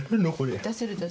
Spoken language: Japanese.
出せるの？